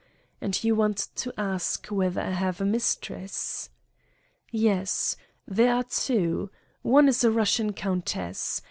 And you want to ask whether I have a mistress! Yes : there are two. One is a Eussian countess.